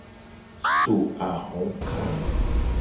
So ahoka.